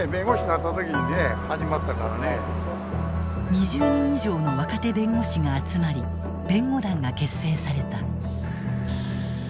２０人以上の若手弁護士が集まり弁護団が結成された。